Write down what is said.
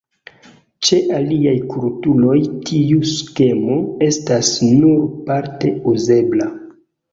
Ĉe aliaj kulturoj tiu skemo estas nur parte uzebla.